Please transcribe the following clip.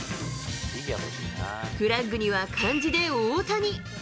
フラッグには漢字で大谷。